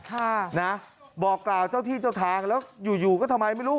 ค่ะนะบอกกล่าวเจ้าที่เจ้าทางแล้วอยู่อยู่ก็ทำไมไม่รู้